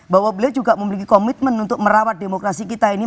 bahwa beliau juga memiliki komitmen untuk merawat demokrasi kita ini